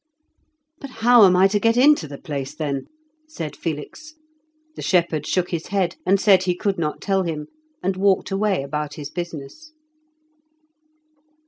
"But how am I to get into the place then?" said Felix. The shepherd shook his head, and said he could not tell him, and walked away about his business.